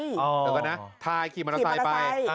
เดี๋ยวก่อนนะทายขีบมะนาซายไป